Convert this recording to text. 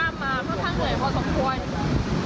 เนื่องจากว่าเขาค่าใช้แรงเยอะตั้งแต่ข้ามมาจากฝั่งนู้น